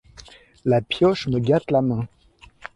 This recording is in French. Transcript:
La pioche me gâte la main.